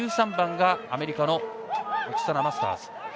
１３番がアメリカのオクサナ・マスターズ。